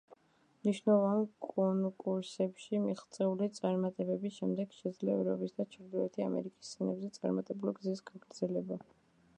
მნიშვნელოვან კონკურსებში მიღწეული წარმატებების შემდეგ შეძლო ევროპის და ჩრდილოეთი ამერიკის სცენებზე წარმატებული გზის გაგრძელება.